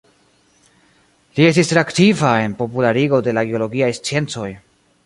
Li estis tre aktiva en popularigo de la geologiaj sciencoj.